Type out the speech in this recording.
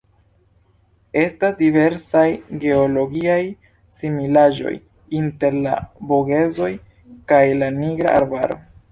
Estas diversaj geologiaj similaĵoj inter la Vogezoj kaj la Nigra Arbaro.